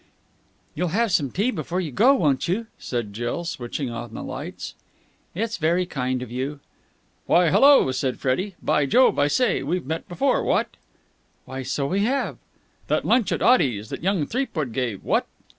"You'll have some tea before you go, won't you?" said Jill, switching on the lights. "It's very kind of you." "Why, hullo!" said Freddie. "By Jove! I say! We've met before, what?" "Why, so we have!" "That lunch at Oddy's that young Threepwood gave, what?"